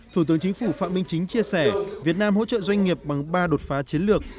thủ tướng chính phủ phạm minh chính chia sẻ việt nam hỗ trợ doanh nghiệp bằng ba đột phá chiến lược